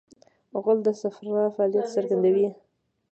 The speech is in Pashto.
غول د صفرا فعالیت څرګندوي.